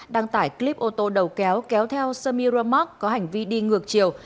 đăng tải clip ô tô đầu kéo kéo theo samira mark có hành vi đi ngược chiều